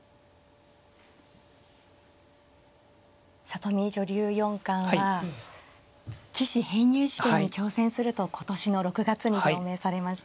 里見女流四冠は棋士編入試験に挑戦すると今年の６月に表明されました。